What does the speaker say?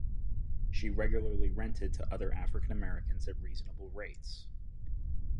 She regularly rented to other African Americans at reasonable rates.